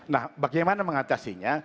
nah bagaimana mengatasinya